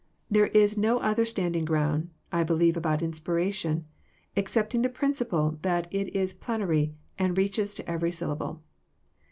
There is no other standing ground, I believe about inspiration, excepting the principle that it is plenary, and roaches to every syllable.